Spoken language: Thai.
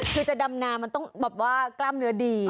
คือจะดำนามันต้องแบบว่ากล้ามเนื้อดี